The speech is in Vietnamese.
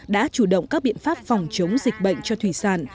đã chủ động các biện pháp phòng chống dịch bệnh cho thủy sản